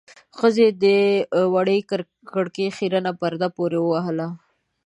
ښځې د وړې کړکۍ خيرنه پرده پورې وهله.